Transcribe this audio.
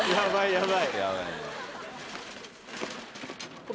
やばいね。